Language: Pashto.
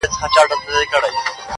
نن ملا په خوله کي بيا ساتلی گاز دی,